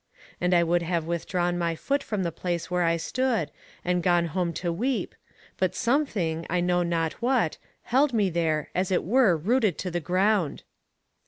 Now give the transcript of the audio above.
And I would have withdrawn my foot from the place where I stood, and gone home to weep, but something, I know not what, held me there as it were rooted to the ground.